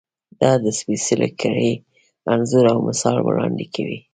دا د سپېڅلې کړۍ انځور او مثال وړاندې کوي.